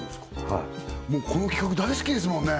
はいこの企画大好きですもんね